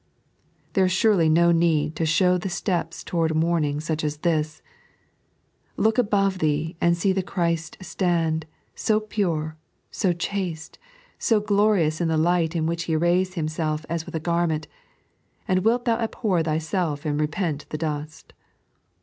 There is surely no need to show the steps towards mourning such as this. Look above thee and see the Christ stand, so pure, so chaste, so glorious in the light in which He arrays Himself as with a garment, and thou wilt abhor thyself and repent in the dust.